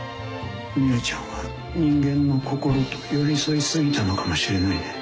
海音ちゃんは人間の心と寄り添い過ぎたのかもしれないね。